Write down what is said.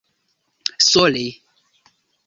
sole